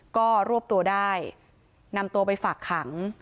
ก็รวบตัวได้นำตัวไปฝากขัง